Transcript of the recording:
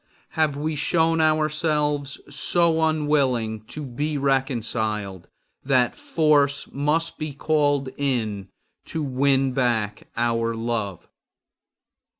Have we shown ourselves so unwilling to be reconciled that force must be called in to win back our love?